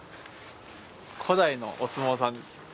古代のお相撲さんです。